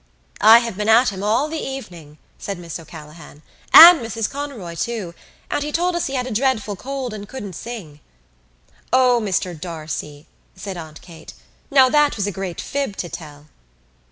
"I have been at him all the evening," said Miss O'Callaghan, "and Mrs Conroy too and he told us he had a dreadful cold and couldn't sing." "O, Mr D'Arcy," said Aunt Kate, "now that was a great fib to tell."